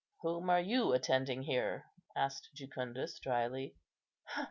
"Whom are you attending here?" asked Jucundus, drily.